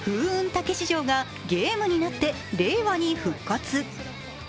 たけし城」がゲームになって令和に復活。